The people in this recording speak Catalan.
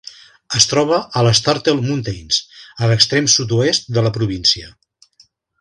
Es troba a les Turtle Mountains a l'extrem sud-oest de la província.